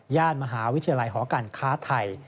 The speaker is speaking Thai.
มหาวิทยาลัยหอการค้าไทย